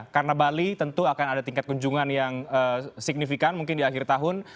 karena bali tentu akan ada tingkat kunjungan yang signifikan mungkin di akhir tahun